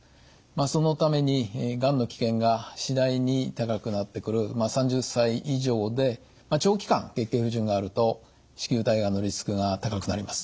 そのためにがんの危険が次第に高くなってくる３０歳以上で長期間月経不順があると子宮体がんのリスクが高くなります。